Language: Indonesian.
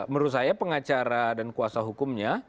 menurut saya pengacara dan kuasa hukumnya